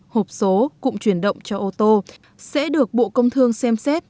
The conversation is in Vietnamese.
hộp số cụm chuyển động cho ô tô sẽ được bộ công thương xem xét